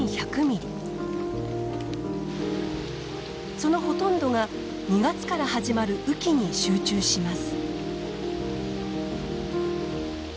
そのほとんどが２月から始まる雨季に集中します。